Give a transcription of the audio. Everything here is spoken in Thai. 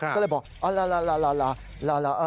ก็เลยบอกอ๋อ